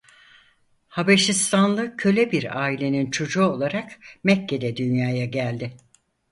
Habeşistanlı köle bir ailenin çocuğu olarak Mekke'de dünyaya geldi.